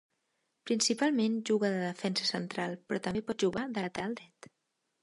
Principalment juga de defensa central, però també pot jugar de lateral dret.